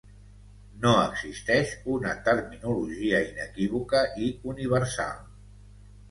No existeix una terminologia inequívoca i universal.